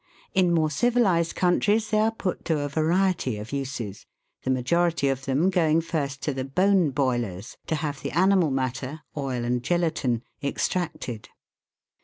In more civilised countries they are put to a variety of uses, the majority of them going first to the bone boilers to have the animal matter, oil and gelatine, extracted.